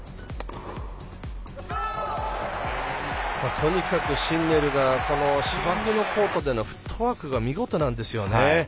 とにかくシンネルが芝生のコートでのフットワークが見事なんですよね。